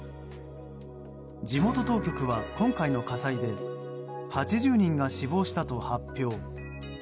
地元当局は今回の火災で８０人が死亡したと発表。